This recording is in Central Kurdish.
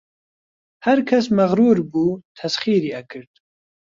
هەرکەس مەغروور بوو تەسخیری ئەکرد